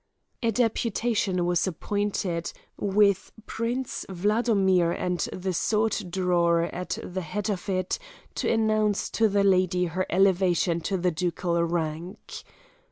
A deputation was appointed, with Prince Wladomir and the sword drawer at the head of it, to announce to the lady her elevation to the ducal rank.